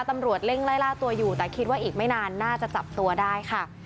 ตำรวจเร่งไล่ล่าตัวอยู่แต่คิดว่าอีกไม่นานน่าจะจับตัวได้ค่ะ